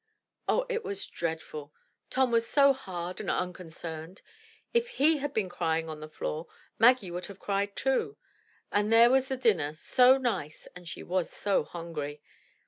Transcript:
Oh, it was dreadful! Tom was so hard and unconcerned; If he had been crying on the floor, Maggie would have cried too. And there was the dinner, so nice; and she was so hungry.